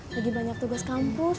lagi banyak tugas kampus